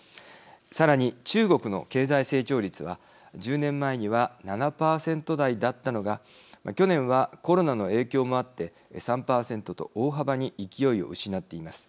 さらに中国の経済成長率は１０年前には７％台だったのが去年はコロナの影響もあって３％と大幅に勢いを失っています。